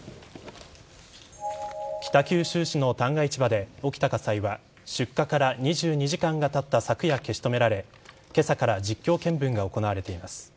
北九州市の旦過市場で起きた火災は出火から２２時間がたった昨夜、消し止められ今朝から実況見分が行われています。